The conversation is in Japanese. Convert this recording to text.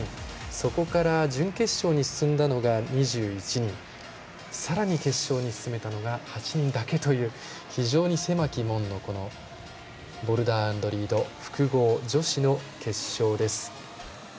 そこから準決勝に進んだのが２１人、さらに決勝に進めたのが８人だけという非常に狭き門のこのボルダー＆リード複合女子の決勝です。